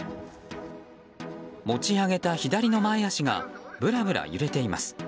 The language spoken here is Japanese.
持ち上げた左の前脚がぶらぶら揺れています。